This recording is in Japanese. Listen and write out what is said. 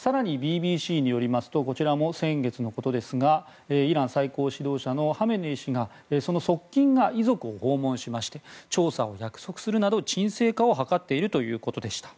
更に、ＢＢＣによりますとこちらも先月のことですがイラン最高指導者のハメネイ師がその側近が遺族を訪問しまして調査を約束するなど鎮静化を図っているということでした。